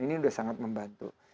ini udah sangat membantu